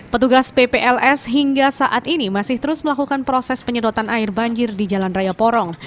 petugas ppls hingga saat ini masih terus melakukan proses penyedotan air banjir di jalan raya porong